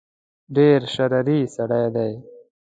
ډېر شریر سړی دی.